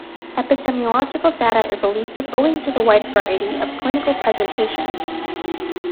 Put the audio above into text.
Epidemiological data is elusive owing to the wide variety of clinical presentation.